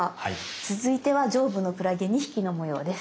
続いては上部のクラゲ２匹の模様です。